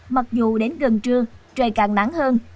mặc dù đến gần trưa trời càng nắng hơn